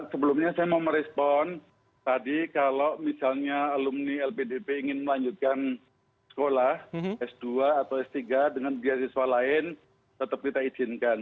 sebelumnya saya mau merespon tadi kalau misalnya alumni lpdp ingin melanjutkan sekolah s dua atau s tiga dengan beasiswa lain tetap kita izinkan